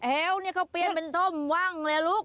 แฮวเขาเปลี่ยนหมดเป็นทมวังละลูก